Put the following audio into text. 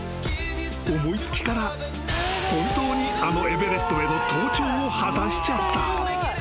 ［思い付きから本当にあのエベレストへの登頂を果たしちゃった］